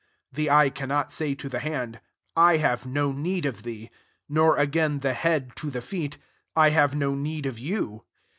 21 The eye cannot say to the hand, " I have no need of thee;" nor again the head to the feet, " I have no need of you."